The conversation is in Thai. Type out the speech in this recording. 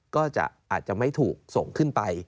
ก็อาจจะไม่ถูกส่งขึ้นไป